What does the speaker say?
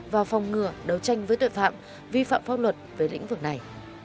và phòng ngừa đấu tranh với tội phạm vi phạm pháp luật về lĩnh vực này